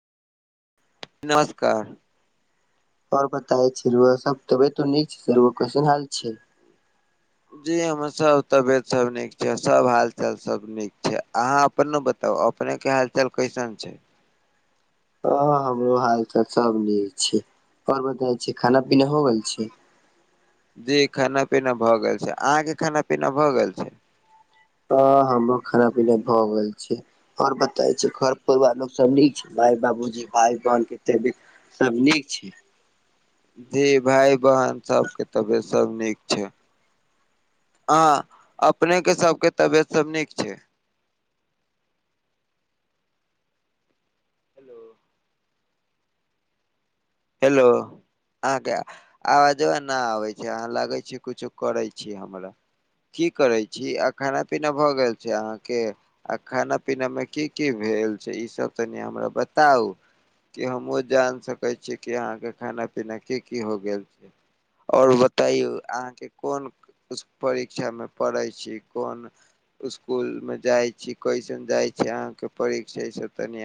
नमस्कार। आओर बताे छै रौआ सब तबियत तो नीक छै कैसन हल छै। जी हमर सब तबियत सब नीक छै सब हाल चाल सब नीक छै अहा अपन ब तब अपने के हालचाल कैसन छै। ह हमरो हाल चाल सब नीक छै आओर बताय छी खाना पीना हो गेल छै। जी खाना पीना भए गेल छै अहाँ के खाना पीना भए गेल छै। आ हमरो खाना पीना भऽ गेल छै। आओर बताे छै घर परवार में लोक सब नीक छै माय बाबूजी भाय बहन के। सब नीक छै। जी भाय बहन सबके तबियत सब नीक छै। अहाँ अपने के सबके तबियत सब नीक छै। हेलो। [unintelligible] हेलो। अहाँके आवाजो एनऽ आबे छै अहाँ लगे छी कुछो करै छी हमरा। की करै छी आ खाना पीना भऽ गेल छै अहाँके। आ खाना पीना मे की की भेल छै ईसभ तनि हमरा बताउ। कि हमहूँ जान सकै छीय कि अहाँके खाना पीना की की हो गेल छै। आओर बतायौ अहाँके कोन। परीक्षामे पढ़ै छी कोन? इसकूल में जाय छी कैसन जाय छी आहां के परिक्षा सब तनि।